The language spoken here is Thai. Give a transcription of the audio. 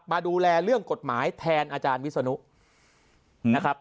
มาดูแลเรื่องกฎหมายแทนอาจารย์วิศนุนะครับ